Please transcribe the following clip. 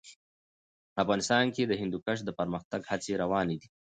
افغانستان کې د هندوکش د پرمختګ هڅې روانې دي.